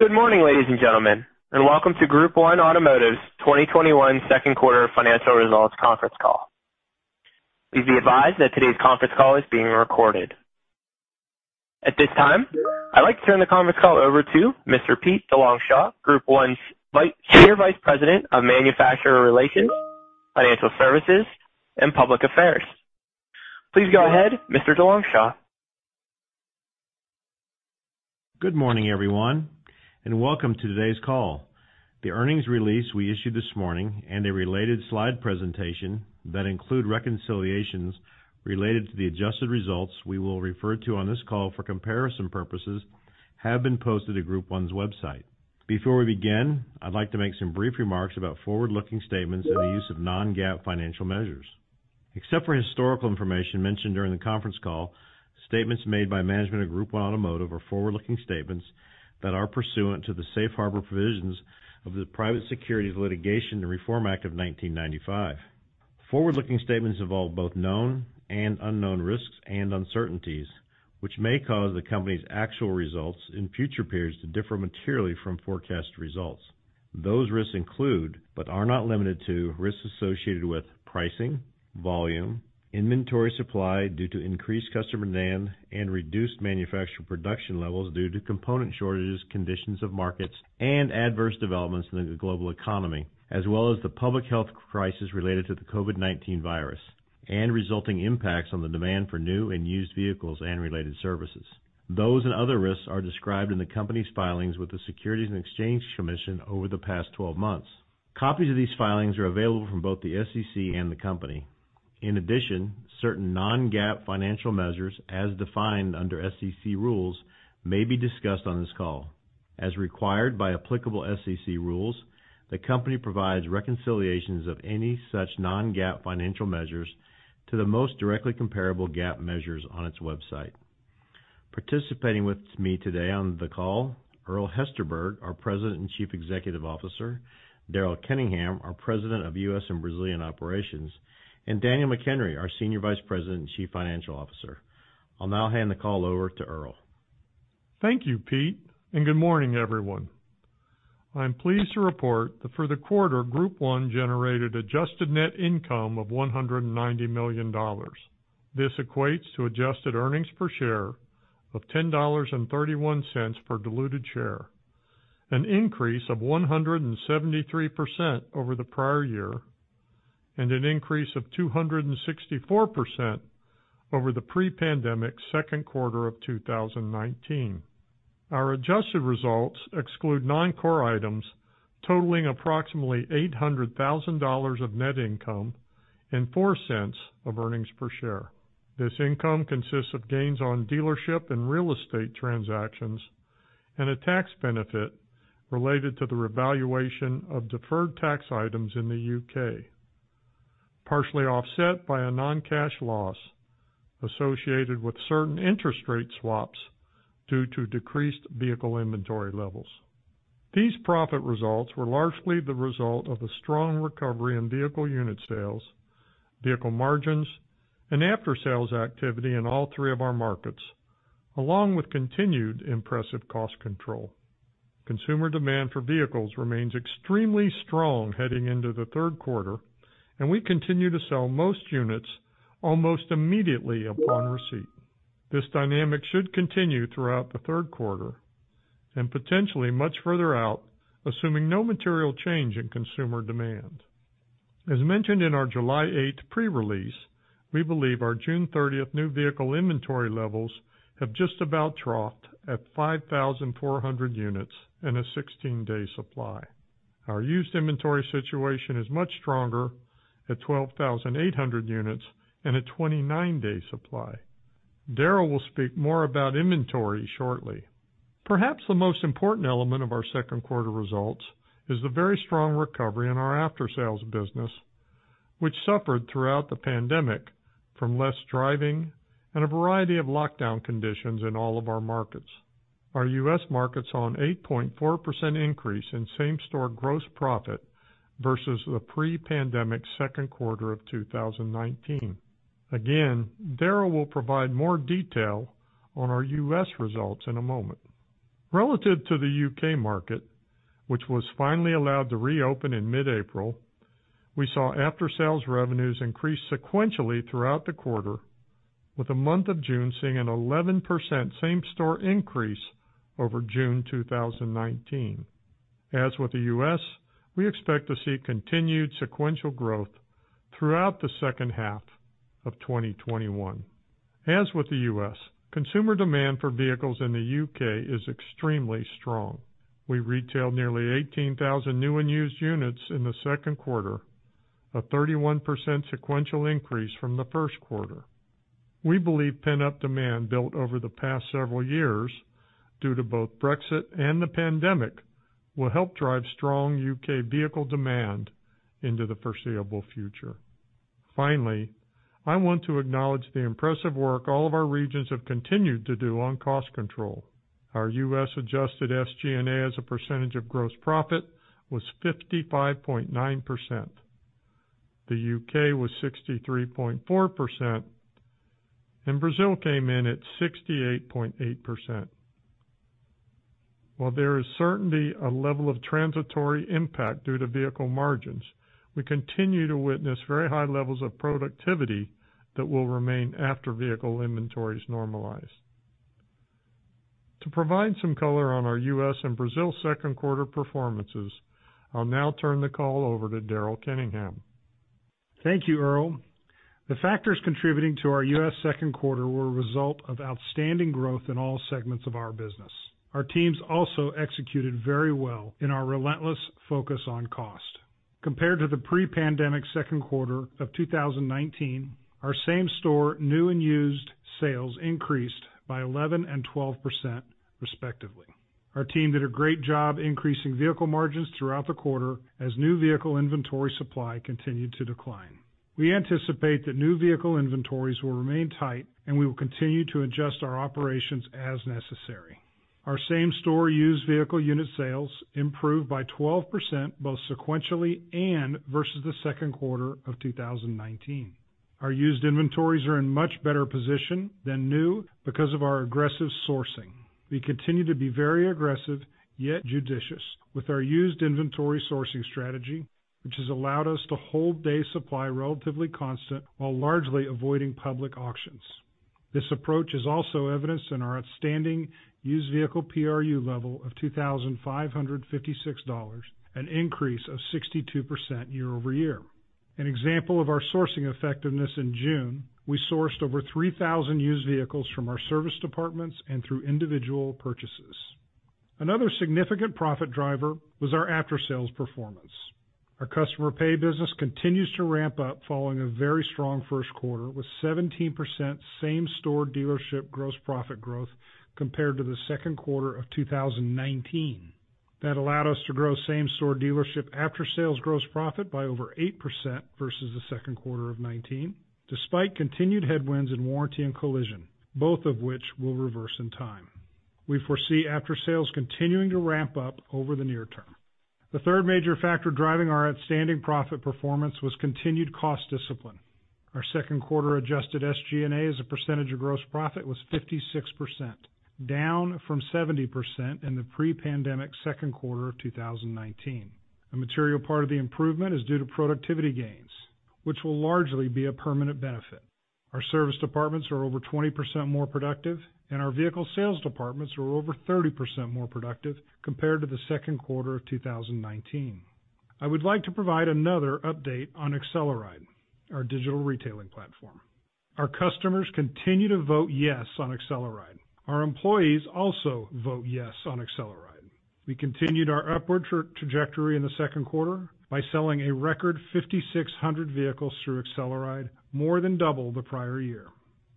Good morning, ladies and gentlemen, welcome to Group 1 Automotive's 2021 second quarter financial results conference call. Please be advised that today's conference call is being recorded. At this time, I'd like to turn the conference call over to Mr. Pete DeLongchamps, Group 1's Senior Vice President of Manufacturer Relations, Financial Services, and Public Affairs. Please go ahead, Mr. DeLongchamps. Good morning, everyone, and welcome to today's call. The earnings release we issued this morning and a related slide presentation that include reconciliations related to the adjusted results we will refer to on this call for comparison purposes have been posted to Group 1's website. Before we begin, I'd like to make some brief remarks about forward-looking statements and the use of non-GAAP financial measures. Except for historical information mentioned during the conference call, statements made by management of Group 1 Automotive are forward-looking statements that are pursuant to the safe harbor provisions of the Private Securities Litigation Reform Act of 1995. Forward-looking statements involve both known and unknown risks and uncertainties, which may cause the company's actual results in future periods to differ materially from forecast results. Those risks include, but are not limited to, risks associated with pricing, volume, inventory supply due to increased customer demand and reduced manufacturer production levels due to component shortages, conditions of markets, and adverse developments in the global economy, as well as the public health crisis related to the COVID-19 virus and resulting impacts on the demand for new and used vehicles and related services. Those and other risks are described in the company's filings with the Securities and Exchange Commission over the past 12 months. Copies of these filings are available from both the SEC and the company. In addition, certain non-GAAP financial measures, as defined under SEC rules, may be discussed on this call. As required by applicable SEC rules, the company provides reconciliations of any such non-GAAP financial measures to the most directly comparable GAAP measures on its website. Participating with me today on the call, Earl Hesterberg, our President and Chief Executive Officer, Daryl Kenningham, our President of U.S. and Brazilian Operations, and Daniel McHenry, our Senior Vice President and Chief Financial Officer. I'll now hand the call over to Earl. Thank you, Pete, and good morning, everyone. I'm pleased to report that for the quarter, Group 1 generated adjusted net income of $190 million. This equates to adjusted earnings per share of $10.31 per diluted share, an increase of 173% over the prior year and an increase of 264% over the pre-pandemic second quarter of 2019. Our adjusted results exclude non-core items totaling approximately $800,000 of net income and $0.04 of earnings per share. This income consists of gains on dealership and real estate transactions and a tax benefit related to the revaluation of deferred tax items in the U.K., partially offset by a non-cash loss associated with certain interest rate swaps due to decreased vehicle inventory levels. These profit results were largely the result of a strong recovery in vehicle unit sales, vehicle margins, and after-sales activity in all three of our markets, along with continued impressive cost control. Consumer demand for vehicles remains extremely strong heading into the third quarter. We continue to sell most units almost immediately upon receipt. This dynamic should continue throughout the third quarter. Potentially much further out, assuming no material change in consumer demand. As mentioned in our July 8th pre-release, we believe our June 30th new vehicle inventory levels have just about troughed at 5,400 units and a 16-day supply. Our used inventory situation is much stronger at 12,800 units and a 29-day supply. Daryl will speak more about inventory shortly. Perhaps the most important element of our second quarter results is the very strong recovery in our after-sales business, which suffered throughout the pandemic from less driving and a variety of lockdown conditions in all of our markets. Our U.S. market saw an 8.4% increase in same-store gross profit versus the pre-pandemic second quarter of 2019. Again, Daryl will provide more detail on our U.S. results in a moment. Relative to the U.K. market, which was finally allowed to reopen in mid-April, we saw after-sales revenues increase sequentially throughout the quarter, with the month of June seeing an 11% same-store increase over June 2019. As with the U.S., we expect to see continued sequential growth throughout the second half of 2021. As with the U.S., consumer demand for vehicles in the U.K. is extremely strong. We retailed nearly 18,000 new and used units in the second quarter, a 31% sequential increase from the first quarter. We believe pent-up demand built over the past several years due to both Brexit and the pandemic will help drive strong U.K. vehicle demand into the foreseeable future. I want to acknowledge the impressive work all of our regions have continued to do on cost control. Our U.S. adjusted SG&A as a percentage of gross profit was 55.9%. The U.K. was 63.4%. Brazil came in at 68.8%. While there is certainly a level of transitory impact due to vehicle margins, we continue to witness very high levels of productivity that will remain after vehicle inventories normalize. To provide some color on our U.S. and Brazil second quarter performances, I'll now turn the call over to Daryl Kenningham. Thank you, Earl. The factors contributing to our U.S. second quarter were a result of outstanding growth in all segments of our business. Our teams also executed very well in our relentless focus on cost. Compared to the pre-pandemic second quarter of 2019, our same-store new and used sales increased by 11% and 12%, respectively. Our team did a great job increasing vehicle margins throughout the quarter as new vehicle inventory supply continued to decline. We anticipate that new vehicle inventories will remain tight, and we will continue to adjust our operations as necessary. Our same-store used vehicle unit sales improved by 12%, both sequentially and versus the second quarter of 2019. Our used inventories are in much better position than new because of our aggressive sourcing. We continue to be very aggressive, yet judicious, with our used inventory sourcing strategy, which has allowed us to hold day supply relatively constant while largely avoiding public auctions. This approach is also evidenced in our outstanding used vehicle PRU level of $2,556, an increase of 62% year-over-year. An example of our sourcing effectiveness in June, we sourced over 3,000 used vehicles from our service departments and through individual purchases. Another significant profit driver was our after-sales performance. Our customer pay business continues to ramp up following a very strong first quarter, with 17% same-store dealership gross profit growth compared to the second quarter of 2019. That allowed us to grow same-store dealership after-sales gross profit by over 8% versus the second quarter of 2019, despite continued headwinds in warranty and collision, both of which will reverse in time. We foresee after-sales continuing to ramp up over the near term. The third major factor driving our outstanding profit performance was continued cost discipline. Our second quarter adjusted SG&A as a percentage of gross profit was 56%, down from 70% in the pre-pandemic second quarter of 2019. A material part of the improvement is due to productivity gains, which will largely be a permanent benefit. Our service departments are over 20% more productive, and our vehicle sales departments are over 30% more productive compared to the second quarter of 2019. I would like to provide another update on AcceleRide, our digital retailing platform. Our customers continue to vote yes on AcceleRide. Our employees also vote yes on AcceleRide. We continued our upward trajectory in the second quarter by selling a record 5,600 vehicles through AcceleRide, more than double the prior year.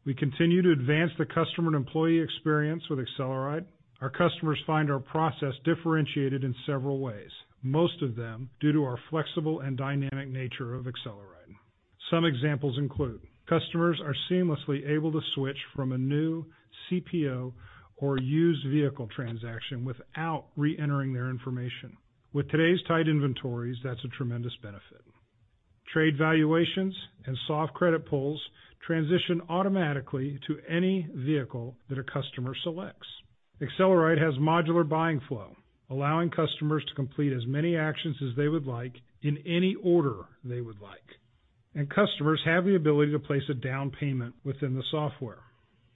We continue to advance the customer and employee experience with AcceleRide. Our customers find our process differentiated in several ways, most of them due to our flexible and dynamic nature of AcceleRide. Some examples include customers are seamlessly able to switch from a new CPO or used vehicle transaction without re-entering their information. With today's tight inventories, that's a tremendous benefit. Trade valuations and soft credit pulls transition automatically to any vehicle that a customer selects. AcceleRide has modular buying flow, allowing customers to complete as many actions as they would like in any order they would like, and customers have the ability to place a down payment within the software.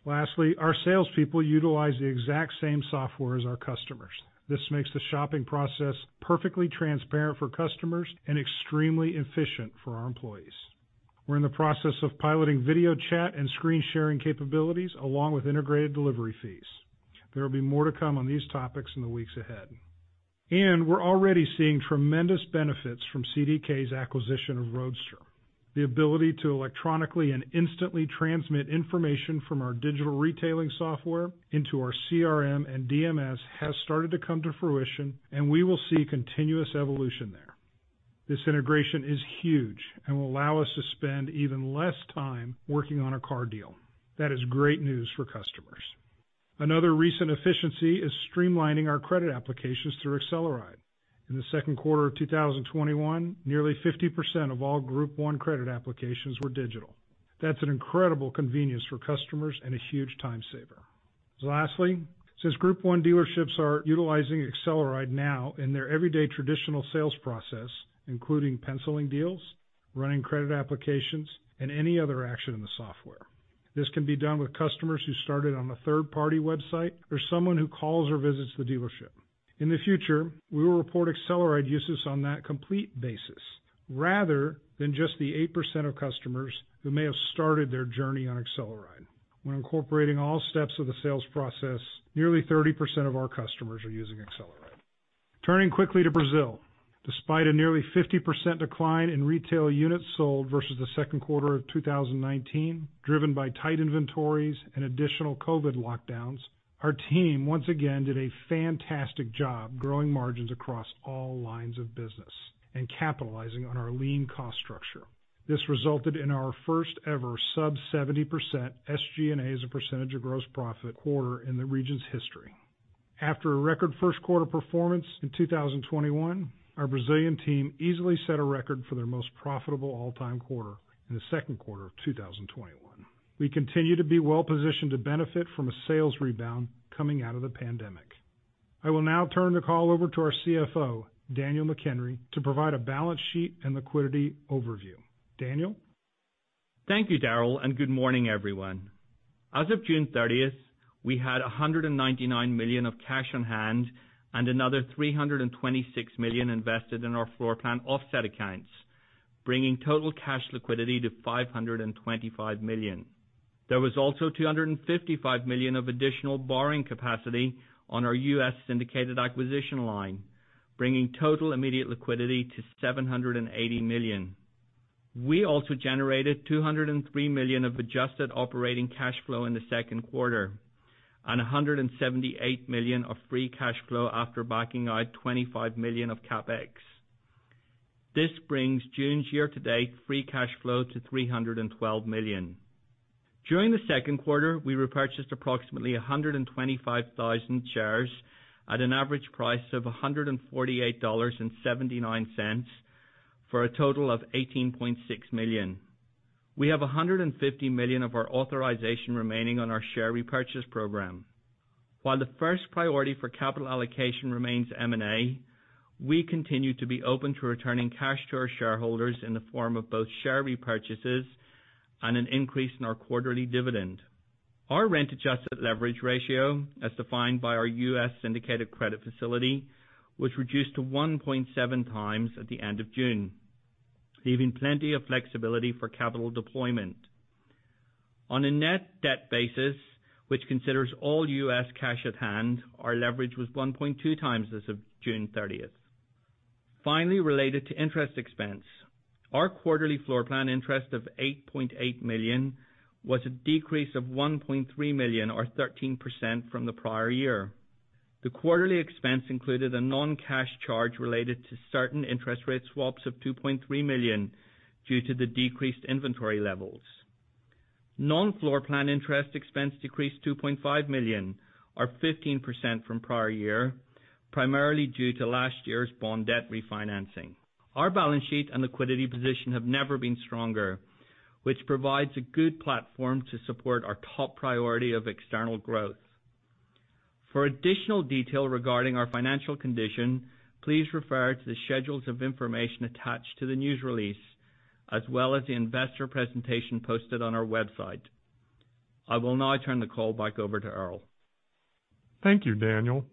Lastly, our salespeople utilize the exact same software as our customers. This makes the shopping process perfectly transparent for customers and extremely efficient for our employees. We're in the process of piloting video chat and screen sharing capabilities, along with integrated delivery fees. There will be more to come on these topics in the weeks ahead. We're already seeing tremendous benefits from CDK's acquisition of Roadster. The ability to electronically and instantly transmit information from our digital retailing software into our CRM and DMS has started to come to fruition, and we will see continuous evolution there. This integration is huge and will allow us to spend even less time working on a car deal. That is great news for customers. Another recent efficiency is streamlining our credit applications through AcceleRide. In the second quarter of 2021, nearly 50% of all Group 1 credit applications were digital. That's an incredible convenience for customers and a huge time saver. Lastly, since Group 1 Automotive dealerships are utilizing AcceleRide now in their everyday traditional sales process, including penciling deals, running credit applications, and any other action in the software, this can be done with customers who started on a third-party website or someone who calls or visits the dealership. In the future, we will report AcceleRide uses on that complete basis rather than just the 8% of customers who may have started their journey on AcceleRide. When incorporating all steps of the sales process, nearly 30% of our customers are using AcceleRide. Turning quickly to Brazil, despite a nearly 50% decline in retail units sold versus the second quarter of 2019, driven by tight inventories and additional COVID-19 lockdowns, our team once again did a fantastic job growing margins across all lines of business and capitalizing on our lean cost structure. This resulted in our first ever sub 70% SG&A as a percentage of gross profit quarter in the region's history. After a record first quarter performance in 2021, our Brazilian team easily set a record for their most profitable all-time quarter in the second quarter of 2021. We continue to be well-positioned to benefit from a sales rebound coming out of the pandemic. I will now turn the call over to our CFO, Daniel McHenry, to provide a balance sheet and liquidity overview. Daniel? Thank you, Daryl, and good morning, everyone. As of June 30th, we had $199 million of cash on hand and another $326 million invested in our floorplan offset accounts, bringing total cash liquidity to $525 million. There was also $255 million of additional borrowing capacity on our U.S. syndicated acquisition line, bringing total immediate liquidity to $780 million. We also generated $203 million of adjusted operating cash flow in the second quarter and $178 million of free cash flow after backing out $25 million of CapEx. This brings June's year-to-date free cash flow to $312 million. During the second quarter, we repurchased approximately 125,000 shares at an average price of $148.79 for a total of $18.6 million. We have $150 million of our authorization remaining on our share repurchase program. While the first priority for capital allocation remains M&A, we continue to be open to returning cash to our shareholders in the form of both share repurchases and an increase in our quarterly dividend. Our rent-adjusted leverage ratio, as defined by our U.S. syndicated credit facility, was reduced to 1.7 times at the end of June, leaving plenty of flexibility for capital deployment. On a net debt basis, which considers all U.S. cash at hand, our leverage was 1.2 times as of June 30th. Finally, related to interest expense, our quarterly floorplan interest of $8.8 million was a decrease of $1.3 million or 13% from the prior year. The quarterly expense included a non-cash charge related to certain interest rate swaps of $2.3 million due to the decreased inventory levels. Non-floorplan interest expense decreased $2.5 million or 15% from prior year, primarily due to last year's bond debt refinancing. Our balance sheet and liquidity position have never been stronger, which provides a good platform to support our top priority of external growth. For additional detail regarding our financial condition, please refer to the schedules of information attached to the news release, as well as the investor presentation posted on our website. I will now turn the call back over to Earl. Thank you, Daniel.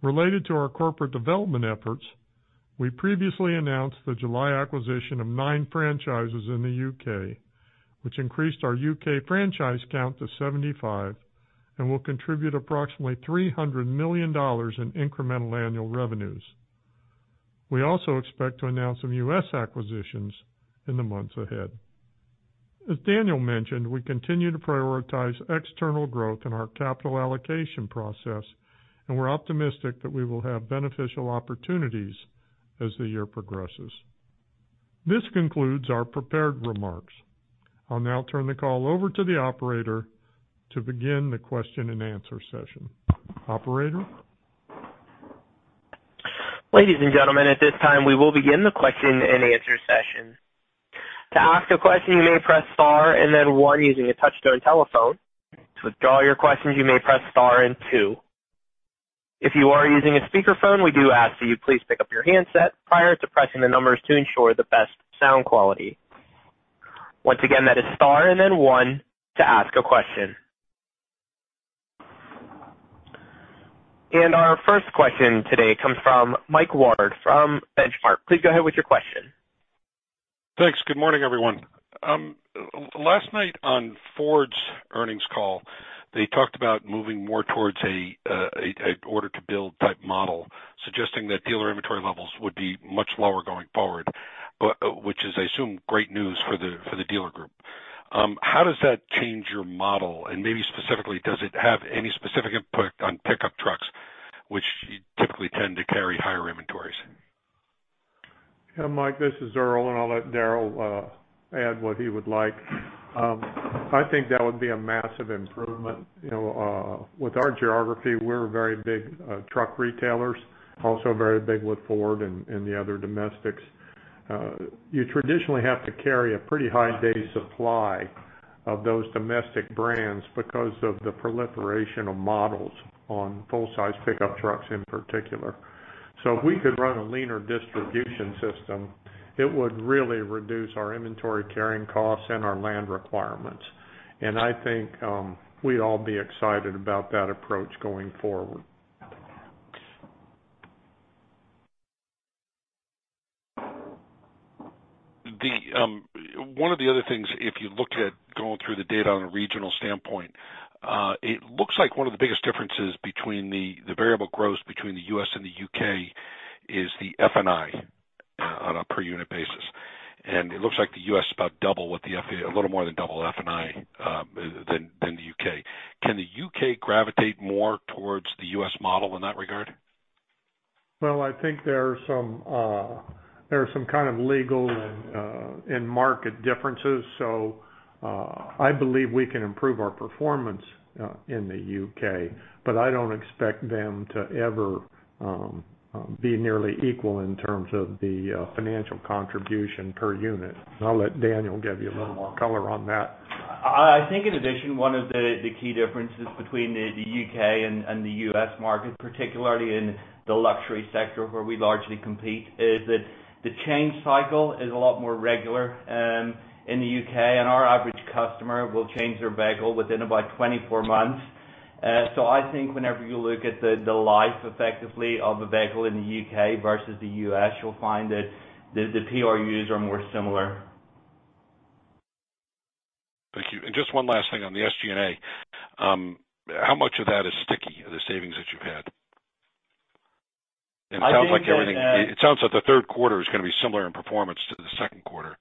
Related to our corporate development efforts, we previously announced the July acquisition of 9 franchises in the U.K., which increased our U.K. franchise count to 75 and will contribute approximately $300 million in incremental annual revenues. We also expect to announce some U.S. acquisitions in the months ahead. As Daniel mentioned, we continue to prioritize external growth in our capital allocation process, and we're optimistic that we will have beneficial opportunities as the year progresses. This concludes our prepared remarks. I'll now turn the call over to the operator to begin the question and answer session. Operator? Our first question today comes from Michael Ward from Benchmark. Please go ahead with your question. Thanks. Good morning, everyone. Last night on Ford's earnings call, they talked about moving more towards an order-to-build type model, suggesting that dealer inventory levels would be much lower going forward, which is, I assume, great news for the dealer group. How does that change your model? Maybe specifically, does it have any specific input on pickup trucks, which you typically tend to carry higher inventories? Yeah, Mike, this is Earl, and I'll let Daryl add what he would like. I think that would be a massive improvement. With our geography, we're very big truck retailers, also very big with Ford and the other domestics. You traditionally have to carry a pretty high day supply of those domestic brands because of the proliferation of models on full-size pickup trucks, in particular. So if we could run a leaner distribution system, it would really reduce our inventory carrying costs and our land requirements. And I think we'd all be excited about that approach going forward. One of the other things, if you looked at going through the data on a regional standpoint, it looks like one of the biggest differences between the variable growth between the U.S. and the U.K. is the F&I on a per unit basis. It looks like the U.S. is about double with a little more than double F&I than the U.K. Can the U.K. gravitate more towards the U.S. model in that regard? Well, I think there are some kind of legal and market differences. I believe we can improve our performance in the U.K., but I don't expect them to ever be nearly equal in terms of the financial contribution per unit. I'll let Daniel give you a little more color on that. I think in addition, one of the key differences between the U.K. and the U.S. market, particularly in the luxury sector where we largely compete, is that the change cycle is a lot more regular in the U.K., and our average customer will change their vehicle within about 24 months. I think whenever you look at the life effectively of a vehicle in the U.K. versus the U.S., you'll find that the PRUs are more similar. Thank you. Just one last thing on the SG&A. How much of that is sticky, the savings that you've had? It sounds like the third quarter is going to be similar in performance to the second quarter.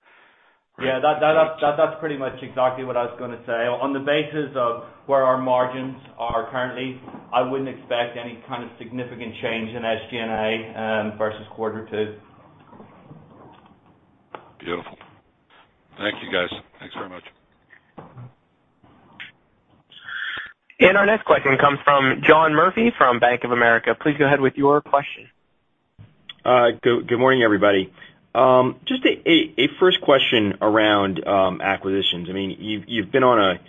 Yeah, that's pretty much exactly what I was going to say. On the basis of where our margins are currently, I wouldn't expect any kind of significant change in SG&A versus quarter two. Beautiful. Thank you, guys. Thanks very much. Our next question comes from John Murphy from Bank of America. Please go ahead with your question. Good morning, everybody. Just a first question around acquisitions. You've been on a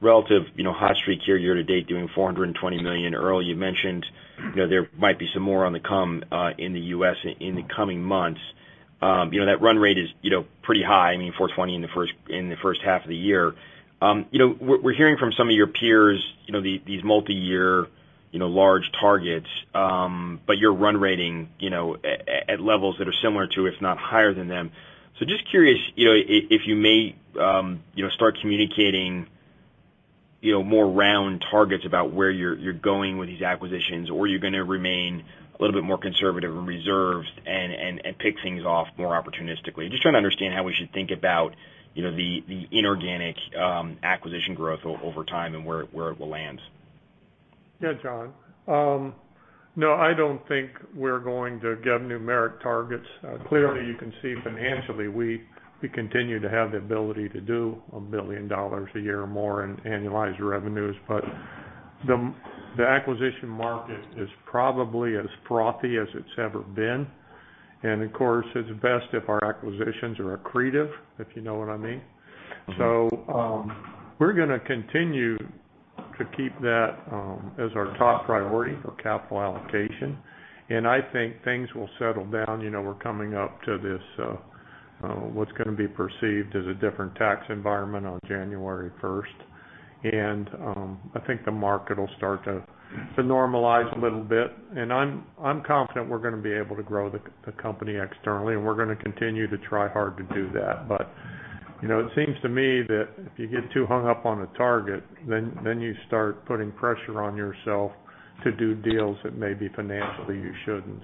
relative hot streak here year to date, doing $420 million. Earl, you mentioned there might be some more on the come in the U.S. in the coming months. That run rate is pretty high, I mean, $420 in the first half of the year. We're hearing from some of your peers these multi-year large targets, but you're run rating at levels that are similar to, if not higher than them. Just curious if you may start communicating more round targets about where you're going with these acquisitions, or you're going to remain a little bit more conservative and reserved and tick things off more opportunistically. Just trying to understand how we should think about the inorganic acquisition growth over time and where it will land. Yeah, John. No, I don't think we're going to give numeric targets. Clearly, you can see financially, we continue to have the ability to do $1 billion a year or more in annualized revenues. The acquisition market is probably as frothy as it's ever been. Of course, it's best if our acquisitions are accretive, if you know what I mean. We're going to continue to keep that as our top priority for capital allocation. I think things will settle down. We're coming up to this, what's going to be perceived as a different tax environment on January 1st. I think the market will start to normalize a little bit. I'm confident we're going to be able to grow the company externally, and we're going to continue to try hard to do that. It seems to me that if you get too hung up on a target, then you start putting pressure on yourself to do deals that maybe financially you shouldn't.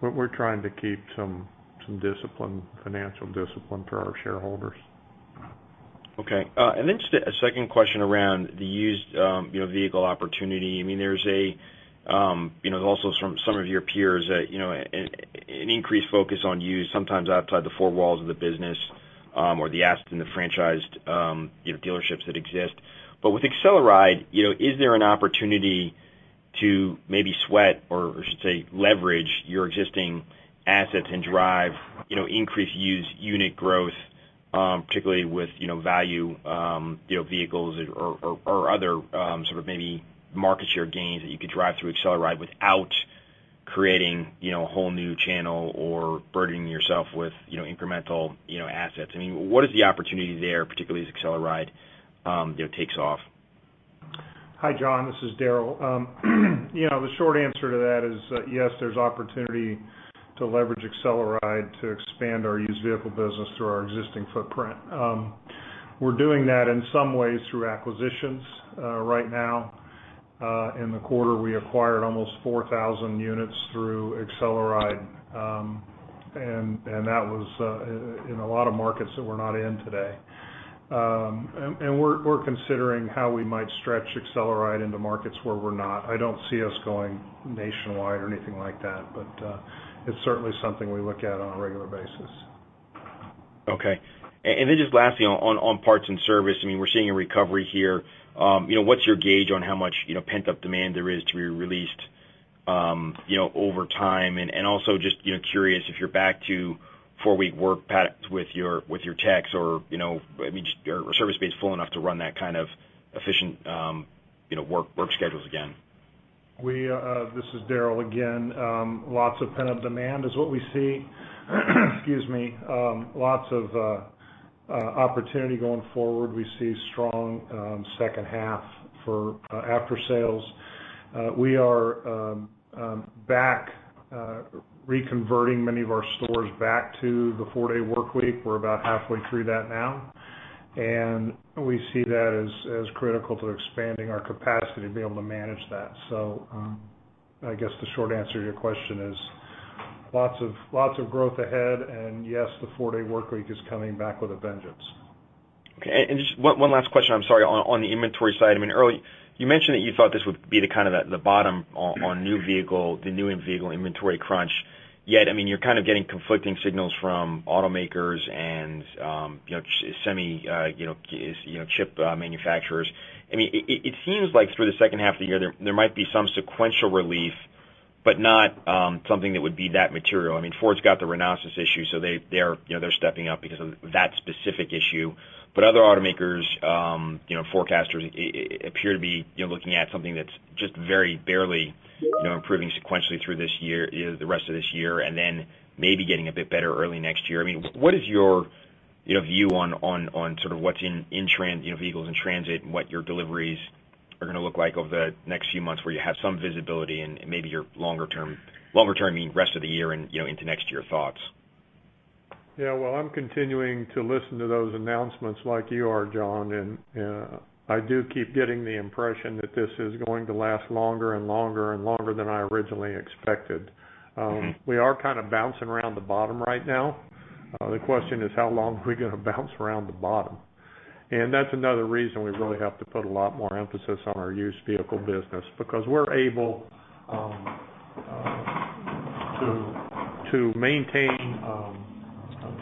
We're trying to keep some financial discipline for our shareholders. Okay. Then just a second question around the used vehicle opportunity. There's also from some of your peers, an increased focus on used, sometimes outside the four walls of the business, or the franchised dealerships that exist. With AcceleRide, is there an opportunity to maybe sweat or I should say, leverage your existing assets and drive increased used unit growth, particularly with value vehicles or other sort of maybe market share gains that you could drive through AcceleRide without creating a whole new channel or burdening yourself with incremental assets? What is the opportunity there, particularly as AcceleRide takes off? Hi, John, this is Daryl. The short answer to that is yes, there's opportunity to leverage AcceleRide to expand our used vehicle business through our existing footprint. We're doing that in some ways through acquisitions. Right now, in the quarter, we acquired almost 4,000 units through AcceleRide, and that was in a lot of markets that we're not in today. We're considering how we might stretch AcceleRide into markets where we're not. I don't see us going nationwide or anything like that, but it's certainly something we look at on a regular basis. Okay. Just lastly, on parts and service, we're seeing a recovery here. What's your gauge on how much pent-up demand there is to be released over time? Also just curious if you're back to four-week work pact with your techs or your service bays full enough to run that kind of efficient work schedules again? This is Daryl again. Lots of pent-up demand is what we see. Excuse me. Lots of opportunity going forward. We see strong second half for after sales. We are back reconverting many of our stores back to the four-day workweek. We're about halfway through that now. We see that as critical to expanding our capacity to be able to manage that. I guess the short answer to your question is lots of growth ahead, and yes, the four-day workweek is coming back with a vengeance. Okay. Just one last question, I'm sorry. On the inventory side, earlier you mentioned that you thought this would be the bottom on the new in-vehicle inventory crunch. Yet, you're getting conflicting signals from automakers and semi chip manufacturers. It seems like through the second half of the year, there might be some sequential relief, but not something that would be that material. Ford's got the Renesas issue, they're stepping up because of that specific issue. Other automakers forecasters appear to be looking at something that's just very barely improving sequentially through the rest of this year, and then maybe getting a bit better early next year. What is your view on what's in vehicles, in transit, and what your deliveries are going to look like over the next few months, where you have some visibility and maybe your longer term, I mean, rest of the year and into next year thoughts? Yeah. Well, I'm continuing to listen to those announcements like you are, John. I do keep getting the impression that this is going to last longer and longer and longer than I originally expected. We are kind of bouncing around the bottom right now. The question is, how long are we going to bounce around the bottom? That's another reason we really have to put a lot more emphasis on our used vehicle business, because we're able to maintain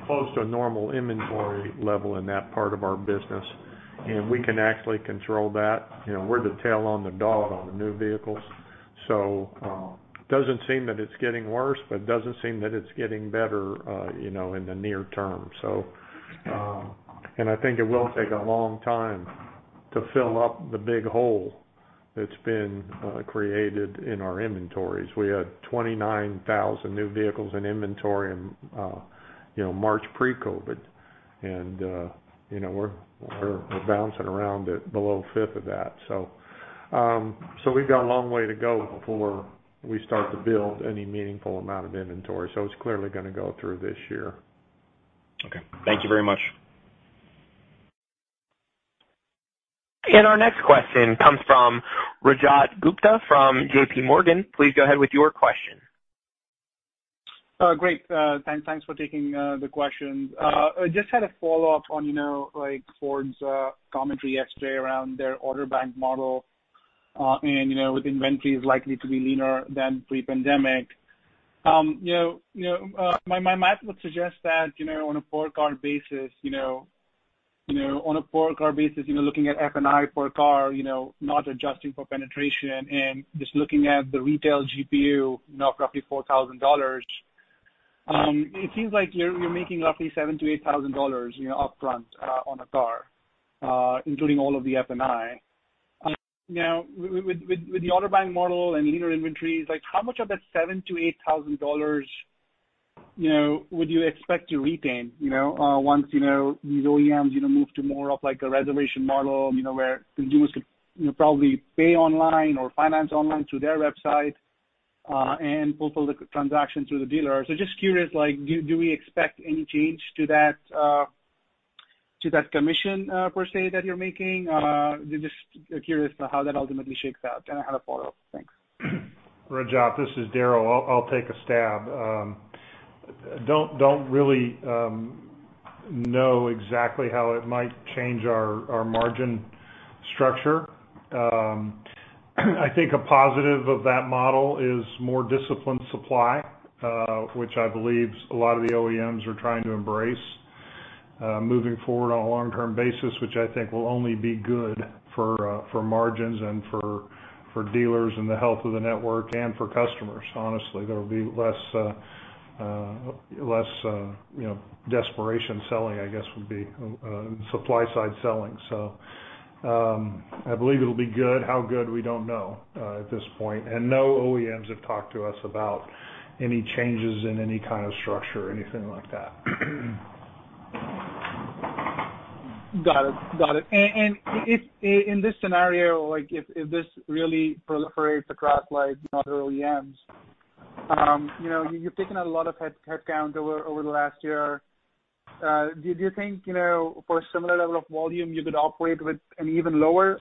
close to a normal inventory level in that part of our business, and we can actually control that. We're the tail on the dog on the new vehicles. Doesn't seem that it's getting worse, but it doesn't seem that it's getting better in the near term. I think it will take a long time to fill up the big hole that's been created in our inventories. We had 29,000 new vehicles in inventory in March pre-COVID-19, and we're bouncing around at below a fifth of that. We've got a long way to go before we start to build any meaningful amount of inventory. It's clearly going to go through this year. Okay. Thank you very much. Our next question comes from Rajat Gupta from JP Morgan. Please go ahead with your question. Great. Thanks for taking the question. I just had a follow-up on Ford's commentary yesterday around their order bank model, with inventories likely to be leaner than pre-pandemic. My math would suggest that on a per car basis, looking at F&I per car, not adjusting for penetration and just looking at the retail GPU, roughly $4,000, it seems like you're making roughly $7,000-$8,000 upfront on a car, including all of the F&I. Now, with the order bank model and leaner inventories, how much of that $7,000-$8,000, would you expect to retain once these OEMs move to more of a reservation model, where consumers could probably pay online or finance online through their website, fulfill the transaction through the dealer. Just curious, do we expect any change to that commission per se, that you're making? Just curious how that ultimately shakes out. I have a follow-up. Thanks. Rajat, this is Daryl. I'll take a stab. Don't really know exactly how it might change our margin structure. I think a positive of that model is more disciplined supply, which I believe a lot of the OEMs are trying to embrace, moving forward on a long-term basis, which I think will only be good for margins and for dealers and the health of the network and for customers. Honestly, there will be less desperation selling, I guess, would be supply-side selling. I believe it'll be good. How good, we don't know at this point. No OEMs have talked to us about any changes in any kind of structure or anything like that. Got it. If in this scenario, if this really proliferates across other OEMs, you've taken a lot of headcount over the last year. Do you think, for a similar level of volume, you could operate with an even lower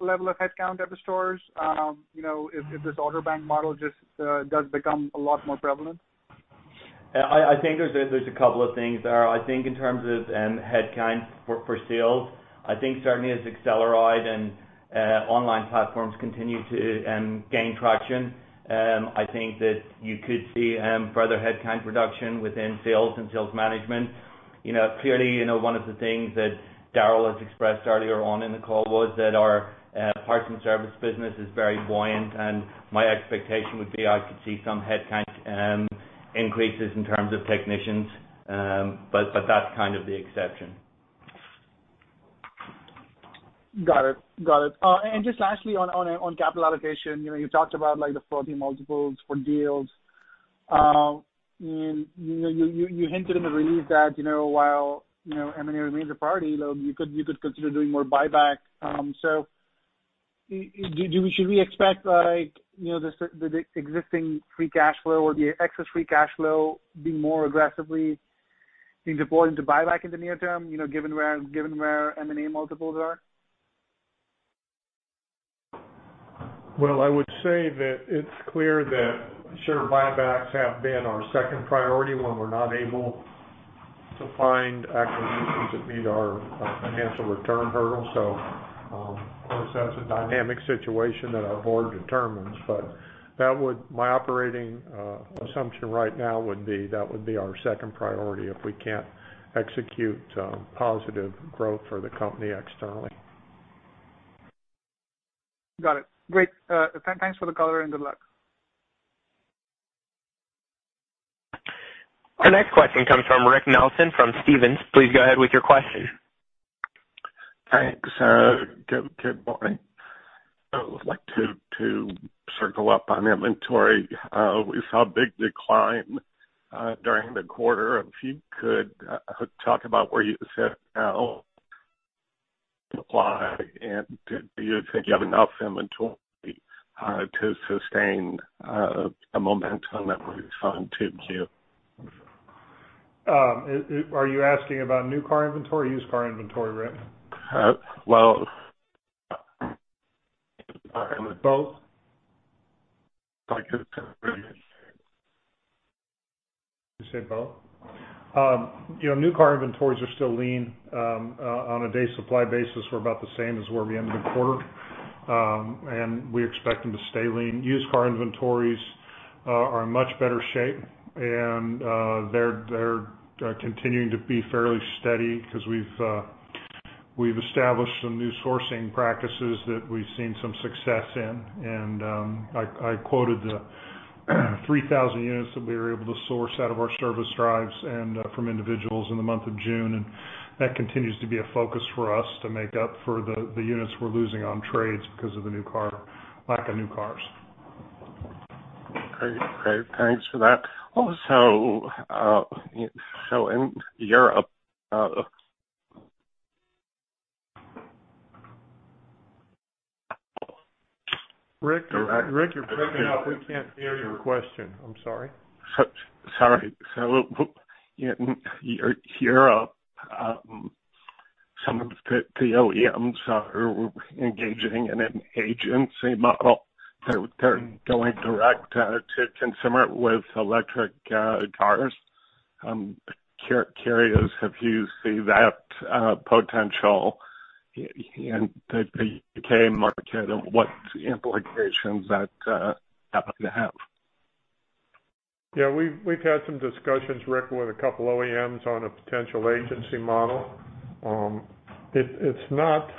level of headcount at the stores if this order bank model just does become a lot more prevalent? I think there's a couple of things, Daryl. I think in terms of headcount for sales, I think certainly as AcceleRide and online platforms continue to gain traction, I think that you could see further headcount reduction within sales and sales management. Clearly, one of the things that Daryl has expressed earlier on in the call was that our parts and service business is very buoyant, and my expectation would be I could see some headcount increases in terms of technicians. That's kind of the exception. Got it. Just lastly on capital allocation. You've talked about the 40 multiples for deals. You hinted in the release that while M&A remains a priority, you could consider doing more buyback. Should we expect the existing free cash flow or the excess free cash flow be more aggressively being deployed into buyback in the near term, given where M&A multiples are? Well, I would say that it's clear that share buybacks have been our second priority when we're not able to find acquisitions that meet our financial return hurdles. Of course, that's a dynamic situation that our board determines, but my operating assumption right now would be that would be our second priority if we can't execute positive growth for the company externally. Got it. Great. Thanks for the color and good luck. Our next question comes from Rick Nelson from Stephens. Please go ahead with your question. Thanks. Good morning. I would like to circle up on inventory. We saw a big decline during the quarter. If you could talk about where you sit now, supply, and do you think you have enough inventory to sustain a momentum that we saw in Q2? Are you asking about new car inventory or used car inventory, Rick? Well, both. You said both? New car inventories are still lean. On a day supply basis, we're about the same as where we ended the quarter. We expect them to stay lean. Used car inventories are in much better shape, and they're continuing to be fairly steady because we've established some new sourcing practices that we've seen some success in. I quoted the 3,000 units that we were able to source out of our service drives and from individuals in the month of June. That continues to be a focus for us to make up for the units we're losing on trades because of the lack of new cars. Great. Thanks for that. Also, in Europe- Rick, you're breaking up. We can't hear your question. I'm sorry. Sorry. In Europe, some of the OEMs are engaging in an agency model. They're going direct to consumer with electric cars. Curious if you see that potential in the U.K. market and what implications that happens to have? Yeah. We've had some discussions, Rick, with a couple OEMs on a potential agency model. It's not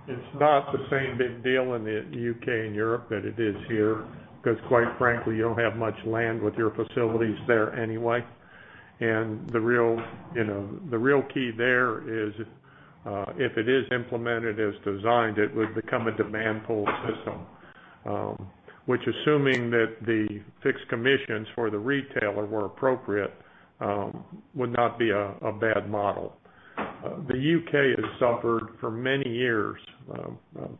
the same big deal in the U.K. and Europe that it is here because quite frankly, you don't have much land with your facilities there anyway. The real key there is, if it is implemented as designed, it would become a demand pull system, which assuming that the fixed commissions for the retailer were appropriate would not be a bad model. The U.K. has suffered for many years,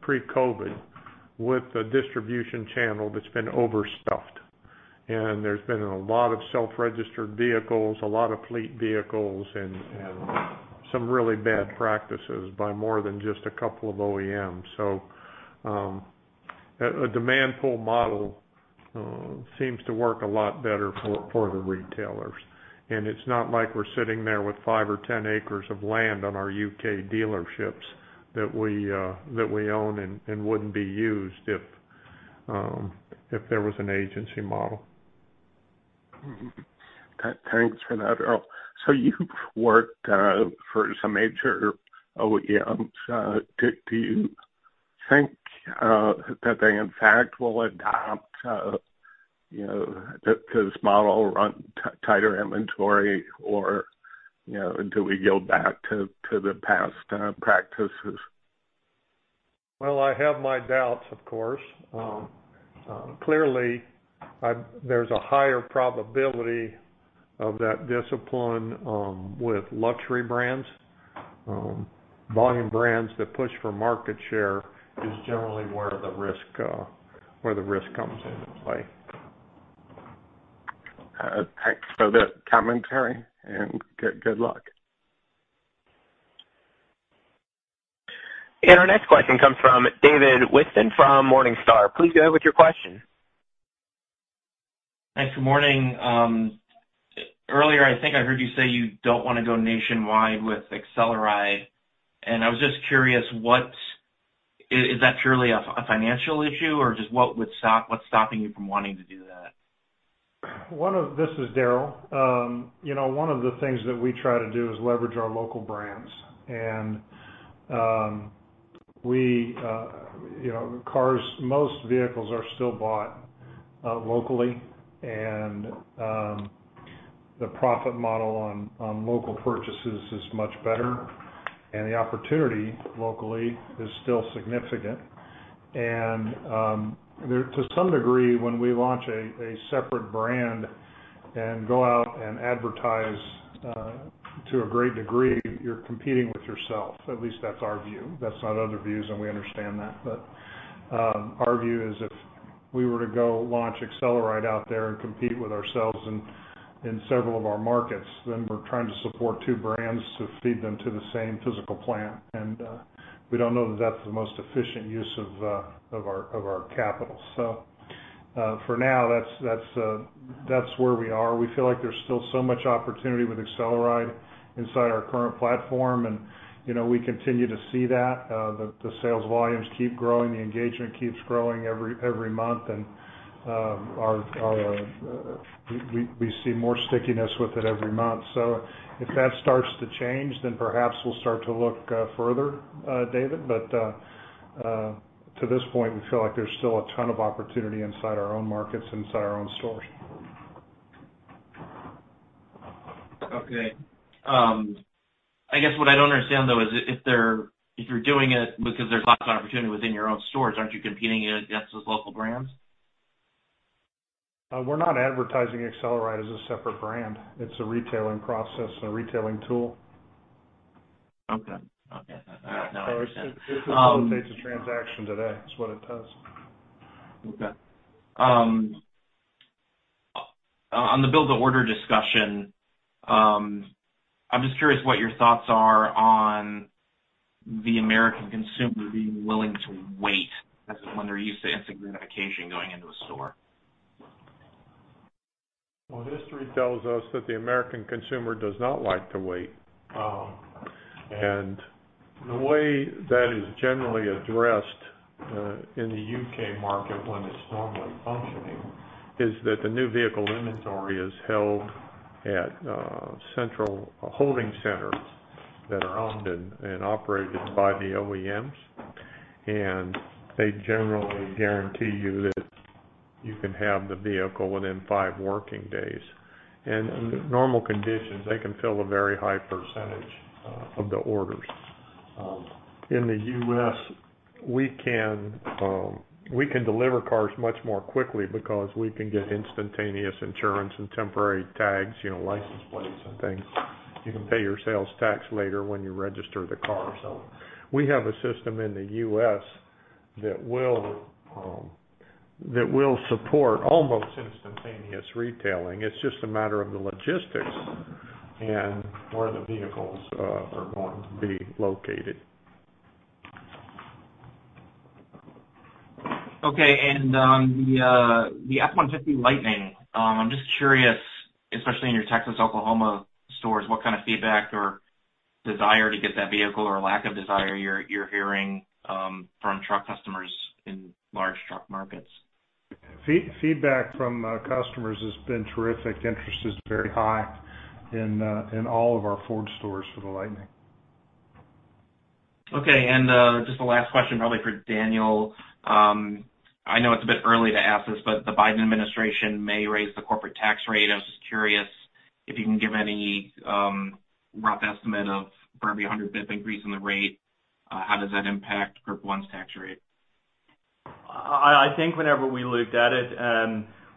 pre-COVID, with a distribution channel that's been overstuffed, and there's been a lot of self-registered vehicles, a lot of fleet vehicles, and some really bad practices by more than just a couple of OEMs. A demand pull model seems to work a lot better for the retailers. It's not like we're sitting there with five or 10 acres of land on our U.K. dealerships that we own and wouldn't be used if there was an agency model. Thanks for that. You've worked for some major OEMs. Do you think that they, in fact, will adopt this model, run tighter inventory, or do we yield back to the past practices? Well, I have my doubts, of course. Clearly, there's a higher probability of that discipline with luxury brands. Volume brands that push for market share is generally where the risk comes into play. Thanks for the commentary, and good luck. Our next question comes from David Whiston from Morningstar. Please go ahead with your question. Thanks. Good morning. Earlier I think I heard you say you don't want to go nationwide with AcceleRide. I was just curious, is that purely a financial issue, or just what's stopping you from wanting to do that? This is Daryl. One of the things that we try to do is leverage our local brands. Most vehicles are still bought locally, and the profit model on local purchases is much better, and the opportunity locally is still significant. To some degree, when we launch a separate brand and go out and advertise to a great degree, you're competing with yourself. At least that's our view. That's not other views, and we understand that. Our view is if we were to go launch AcceleRide out there and compete with ourselves in several of our markets, then we're trying to support two brands to feed them to the same physical plant. We don't know that that's the most efficient use of our capital. For now, that's where we are. We feel like there's still so much opportunity with AcceleRide inside our current platform. We continue to see that. The sales volumes keep growing, the engagement keeps growing every month, and we see more stickiness with it every month. If that starts to change, then perhaps we'll start to look further, David. To this point, we feel like there's still a ton of opportunity inside our own markets, inside our own stores. Okay. I guess what I don't understand, though, is if you're doing it because there's lots of opportunity within your own stores, aren't you competing against those local brands? We're not advertising AcceleRide as a separate brand. It's a retailing process and a retailing tool. Okay. Now I understand. It facilitates a transaction today, is what it does. Okay. On the build-to-order discussion, I'm just curious what your thoughts are on the American consumer being willing to wait when they're used to instant gratification going into a store? Well, history tells us that the American consumer does not like to wait. The way that is generally addressed in the U.K. market when it's normally functioning, is that the new vehicle inventory is held at central holding centers that are owned and operated by the OEMs. They generally guarantee you that you can have the vehicle within five working days. Under normal conditions, they can fill a very high percentage of the orders. In the U.S., we can deliver cars much more quickly because we can get instantaneous insurance and temporary tags, license plates, and things. You can pay your sales tax later when you register the car. We have a system in the U.S. that will support almost instantaneous retailing. It's just a matter of the logistics and where the vehicles are going to be located. Okay. On the F-150 Lightning, I'm just curious, especially in your Texas, Oklahoma stores, what kind of feedback or desire to get that vehicle or lack of desire you're hearing from truck customers in large truck markets? Feedback from customers has been terrific. Interest is very high in all of our Ford Stores for the Lightning. Okay. Just the last question, probably for Daniel. I know it's a bit early to ask this, the Biden administration may raise the corporate tax rate. I was just curious if you can give any rough estimate of, for every 100 basis points increase in the rate, how does that impact Group 1's tax rate? I think whenever we looked at it,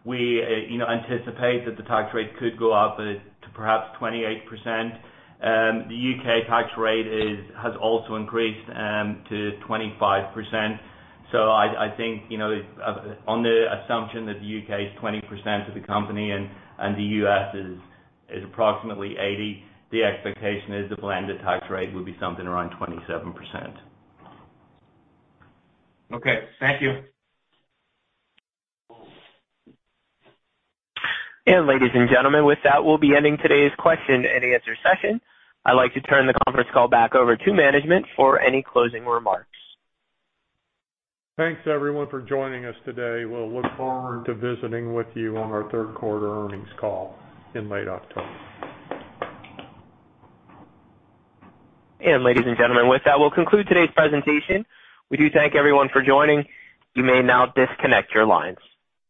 we anticipate that the tax rate could go up to perhaps 28%. The U.K. tax rate has also increased to 25%. I think, on the assumption that the U.K. is 20% of the company and the U.S. is approximately 80%, the expectation is the blended tax rate will be something around 27%. Okay. Thank you. Ladies and gentlemen, with that, we'll be ending today's question and answer session. I'd like to turn the conference call back over to management for any closing remarks. Thanks, everyone, for joining us today. We'll look forward to visiting with you on our third quarter earnings call in late October. Ladies and gentlemen, with that, we'll conclude today's presentation. We do thank everyone for joining. You may now disconnect your lines.